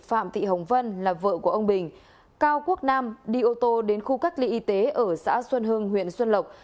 phạm thị hồng vân là vợ của ông bình cao quốc nam đi ô tô đến khu cách ly y tế ở xã xuân hưng huyện xuân lộc